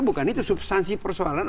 terhadap substansi persoalan